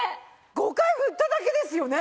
５回振っただけですよね？